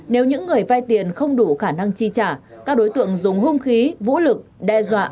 nếu những người vay tiền không đủ khả năng chi trả các đối tượng dùng hung khí vũ lực đe dọa